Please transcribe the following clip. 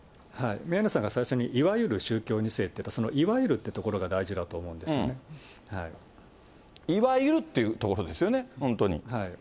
宮根さんが最初に、いわゆる宗教２世って、そのいわゆるというところが大事だと思ういわゆるっていうところです